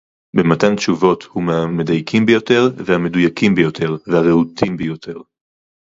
במתן תשובות הוא מהמדייקים ביותר והמדויקים ביותר והרהוטים ביותר